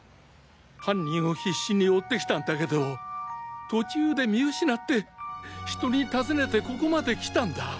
犯人を必死に追って来たんだけど途中で見失って人に尋ねてここまで来たんだ。